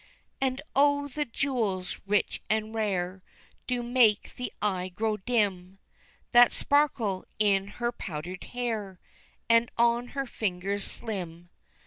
And, O, the jewels rich and rare Do make the eye grow dim, That sparkle in her powdered hair, And on her fingers slim.